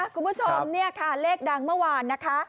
คุณผู้ชมเลขดังเมื่อวานนะคะ